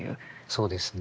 そうですね。